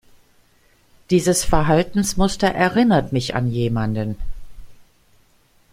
Dieses Verhaltensmuster erinnert mich an jemanden.